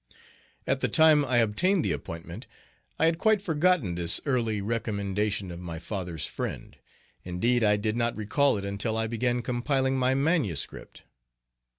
At the time I obtained the appointment I had quite forgotten this early recommendation of my father's friend; indeed, I did not recall it until I began compiling my manuscript.